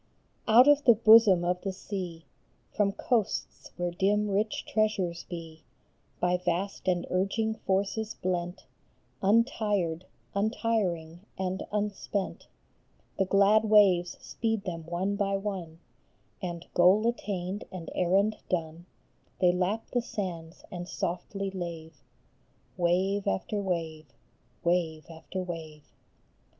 UT of the bosom of the sea, From coasts where dim, rich treasures be, By vast and urging forces blent, Untired, untiring, and unspent, The glad waves speed them one by one ; And, goal attained and errand done, They lap the sands and softly lave, Wave after wave, wave after wave.